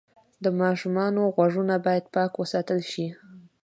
د ماشوم غوږونه باید پاک وساتل شي۔